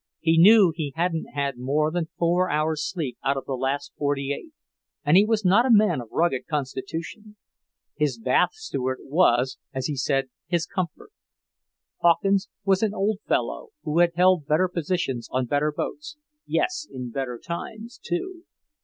He knew he hadn't had more than four hours sleep out of the last forty eight, and he was not a man of rugged constitution. His bath steward was, as he said, his comfort. Hawkins was an old fellow who had held better positions on better boats, yes, in better times, too.